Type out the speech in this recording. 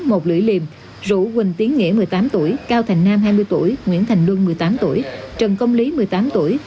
một lưỡi liềm rũ quỳnh tiến nghĩa một mươi tám tuổi cao thành nam hai mươi tuổi nguyễn thành luân một mươi tám tuổi trần công lý một mươi tám tuổi